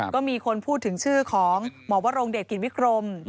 ก็มีคนพูดถึงชื่อของหมอวรงเดชกิจวิกรม